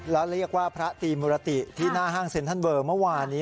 แล้วเรียกว่าพระตีมุรติที่หน้าห้างเซ็นทรัลเวอร์เมื่อวานนี้